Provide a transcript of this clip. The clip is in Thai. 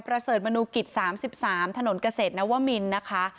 ประเสริฐมนุกิจ๓๓ถนนเกษตรนวมินนะคะ